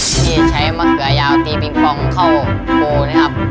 ที่ใช้มะเขือยาวตีปิงปองเข้าปูนะครับ